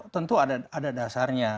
tentu ada dasarnya